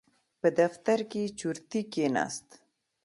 په دفتر کې چورتي کېناست.